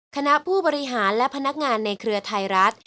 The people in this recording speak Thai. คณะผู้บริหารและพนักงานในเครือไทยรัฐ